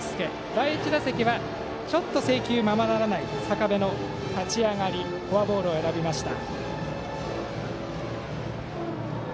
第１打席はちょっと制球ままならない坂部の立ち上がりフォアボールを選びました。